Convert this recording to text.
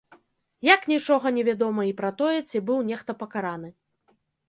Як нічога не вядома і пра тое, ці быў нехта пакараны.